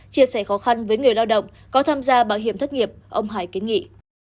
chia sẻ khó khăn với người lao động có tham gia bảo hiểm thất nghiệp ông hải kiến nghị